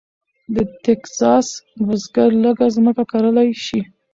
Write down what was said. د ټیکساس بزګر لږه ځمکه کرلی شي.